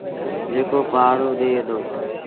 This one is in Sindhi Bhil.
جيڪو پآهرو ڏي دو۔